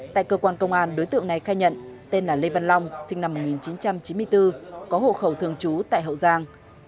tại cơ quan công an đối tượng này khai nhận tên là lê văn long sinh năm một nghìn chín trăm chín mươi bốn có hộ khẩu thường trú tại hậu giang